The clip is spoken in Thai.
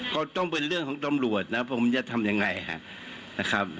ก็ต้องเป็นเรื่องของตำรวจนะผมจะทำยังไงนะครับ